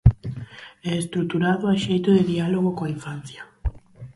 E estruturado a xeito de diálogo coa infancia.